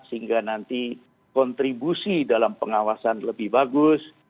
sehingga nanti kontribusi dalam pengawasan lebih bagus